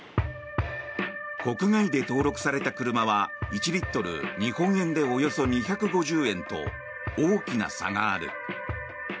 国外で登録された車は１リットル日本円でおよそ２５０円と大きな差がある。